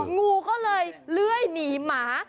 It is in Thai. งูก็เลยเลื่อยหนีหมา